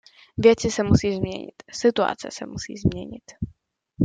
Věci se musí změnit, situace se musí změnit!